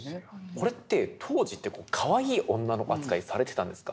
これって当時ってかわいい女の子扱いされてたんですか？